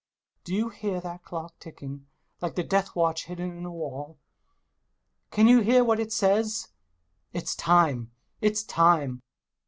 [Long silence] Do you hear that clock ticking like the deathwatch hidden in a wall ? Can you hear what it says ?— "It's time ! It's time